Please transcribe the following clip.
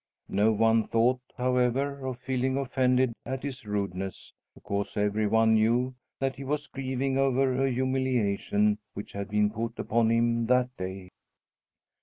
No one thought, however, of feeling offended at his rudeness, because every one knew that he was grieving over a humiliation which had been put upon him that day.